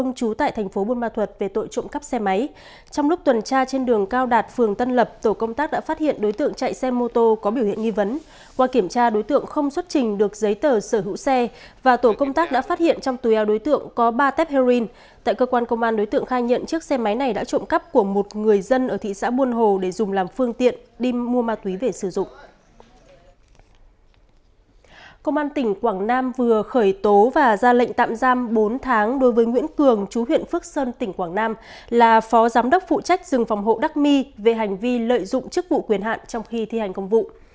nguyễn cường chú huyện phước sơn tỉnh quảng nam là phó giám đốc phụ trách rừng phòng hộ đắc mi về hành vi lợi dụng chức vụ quyền hạn trong khi thi hành công vụ